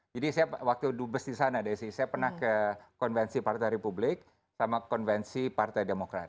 jadi saya waktu dubes di sana desi saya pernah ke konvensi partai republik sama konvensi partai demokrat